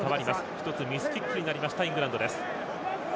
一つ、ミスキックになりましたイングランド。